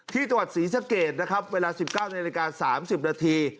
ที่จังหวัดศรีสะเกดนะครับเวลา๑๙นาฬิกา๓๐นาที